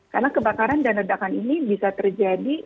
karena kebakaran dan redakan ini bisa terjadi